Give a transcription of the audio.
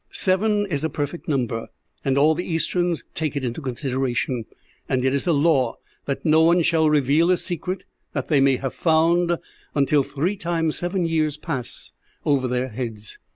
Seven is a perfect number, and all the Easterns take it into consideration, and it is a law that no one shall reveal a secret that they may have found until three times seven years pass over their heads.